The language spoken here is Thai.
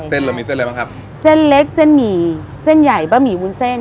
เส้นเรามีเส้นอะไรบ้างครับเส้นเล็กเส้นหมี่เส้นใหญ่บะหมี่วุ้นเส้น